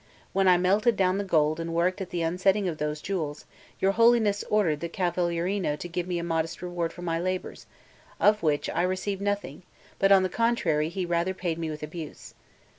When I melted down the gold and worked at the unsetting of those jewels, your Holiness ordered the Cavalierino to give me a modest reward for my labours, of which I received nothing, but on the contrary he rather paid me with abuse.